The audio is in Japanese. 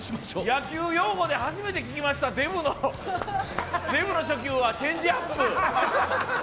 野球用語で初めて聞きました、「デブの初球はチェンジアップ」。